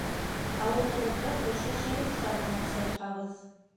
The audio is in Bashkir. Ауыҙығыҙҙы ошо шыйыҡса менән сайҡағыҙ